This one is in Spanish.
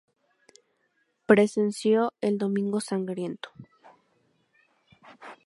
Presenció el Domingo Sangriento.